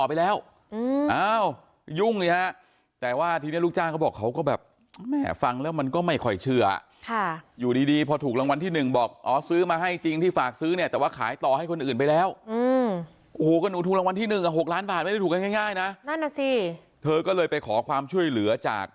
เมื่อวานนี้๔มีนาคมลองดูนะคะส่วนแบ่งนางบ้วยเนี่ยนะ